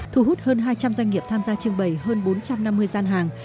thu hút hơn hai trăm linh doanh nghiệp tham gia trưng bày hơn bốn trăm năm mươi gian hàng